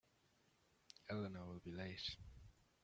Elena will be late.